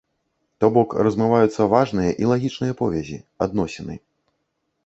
То бок размываюцца важныя і лагічныя повязі, адносіны.